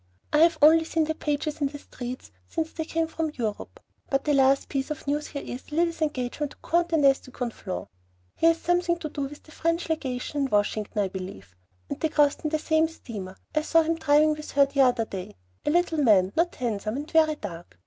I have only seen the Pages in the street since they came home from Europe; but the last piece of news here is Lilly's engagement to Comte Ernest de Conflans. He has something to do with the French legation in Washington, I believe; and they crossed in the same steamer. I saw him driving with her the other day, a little man, not handsome, and very dark.